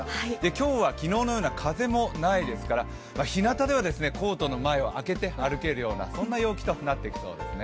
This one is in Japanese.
今日は昨日のような風もないですから日なたではコートの前を開けて歩けるようなそんな陽気となってきそうですね。